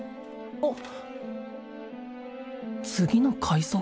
あっ！